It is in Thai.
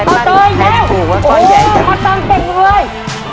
พอตรงเยี่ยมโอ้โหพอตรงเก่งด้วย